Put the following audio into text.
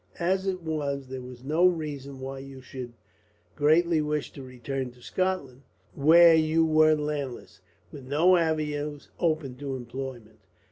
As it was, there was no reason why you should greatly wish to return to Scotland, where you were landless, with no avenues open to employment.